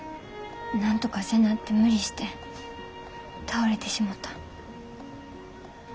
なんとかせなって無理して倒れてしもた。